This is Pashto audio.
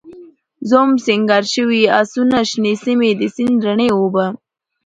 زوم، سینګار شوي آسونه، شنې سیمې، د سیند رڼې اوبه